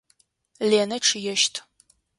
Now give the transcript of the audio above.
Ленэ чъыещт.